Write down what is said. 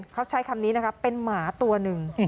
เขาใช้คำนี้นะครับเป็นหมาตัวหนึ่ง